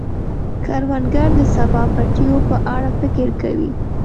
کروندګر د سبا د پټیو په اړه فکر کوي